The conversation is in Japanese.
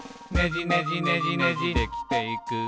「ねじねじねじねじできていく」